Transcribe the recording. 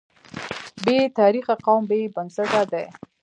بې تاریخه قوم بې بنسټه دی.